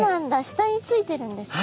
下についてるんですね。